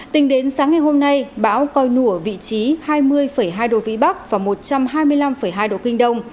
tính đến sáng ngày hôm nay bão coi nu ở vị trí hai mươi hai độ vĩ bắc và một trăm hai mươi năm hai độ kinh đông